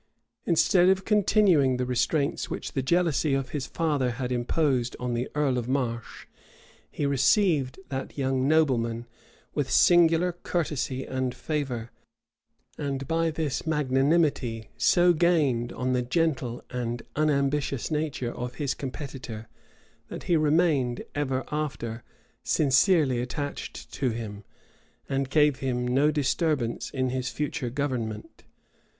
[*] Instead of continuing the restraints which the jealousy of his father had imposed on the earl of Marche, he received that young nobleman with singular courtesy and favor; and by this magnanimity so gained on the gentle and unambitious nature of his competitor, that he remained ever after sincerely attached to him, and gave him no disturbance in his future government.